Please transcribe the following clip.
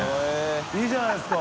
いいじゃないですか。